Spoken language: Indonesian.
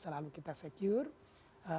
selalu kita secure